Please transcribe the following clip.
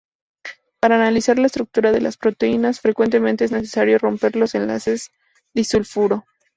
Para analizar la estructura de las proteínas, frecuentemente es necesario romper los enlaces disulfuro.